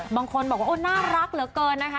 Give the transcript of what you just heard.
บางคนบอกว่าโอ้น่ารักเหลือเกินนะคะ